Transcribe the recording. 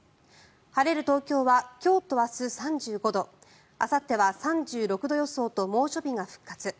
晴れる東京は今日と明日、３５度あさっては３６度予想と猛暑日が復活。